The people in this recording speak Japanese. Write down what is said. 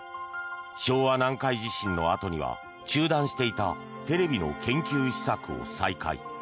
昭和南海地震のあとには中断していたテレビの研究試作を再開。